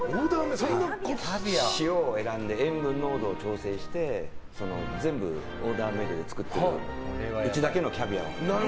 塩を選んで、塩分濃度を調整して全部オーダーメイドで作っているうちだけのキャビアです。